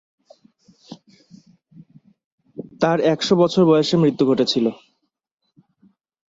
তাঁর একশো বছর বয়সে মৃত্যু ঘটেছিল।